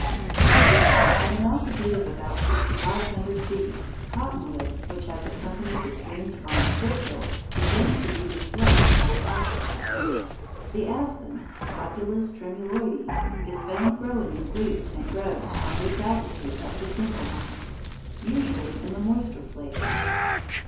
[Illustration: ASPENS] At an altitude of about sixty five hundred feet cottonwood, which has accompanied the streams from the foothills, begins to be displaced by aspen. The aspen (Populus tremuloides) is found growing in groups and groves from this altitude up to timber line, usually in the moister places.